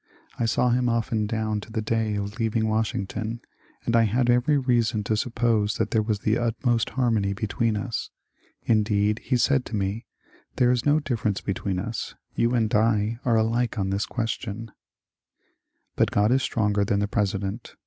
I saw him often down to the day of leav ing Washington, and I had every reason to suppose that there was the utmost harmony between us. Indeed, he said to me, ^^ There is no diifference between us. You and I are alike on this question." But God is stronger than the President.